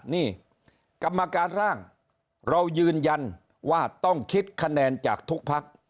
นี่กรรมการร่างเรายืนยันว่าต้องคิดคะแนนจากทุกพัก